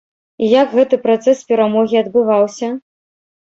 І як гэты працэс перамогі адбываўся?